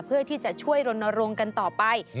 เพื่อที่จะช่วยรณรงค์กันต่อไป